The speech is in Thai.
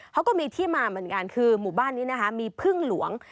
เขาก็มีที่มาเหมือนกันคือหมู่บ้านนี้นะคะมีพึ่งหลวง